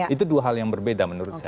itu dua hal yang berbeda menurut saya